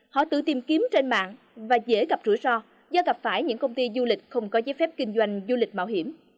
họ tự tìm kiếm trên mạng và dễ gặp rủi ro do gặp phải những công ty du lịch không có giấy phép kinh doanh du lịch mạo hiểm